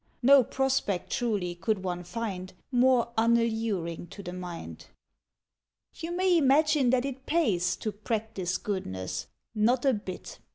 (No prospect, truly, could one find More unalluring to the mind.) You may imagine that it pays To practise Goodness. Not a bit!